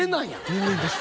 人間です。